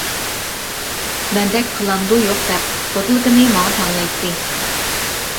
مەندەك قىلامدۇ-يوق دەپ، بوتۇلكىنى ماڭا تەڭلەيتتى.